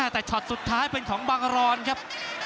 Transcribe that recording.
แต่ช็อตสุดท้ายเป็นของบังรอนครับ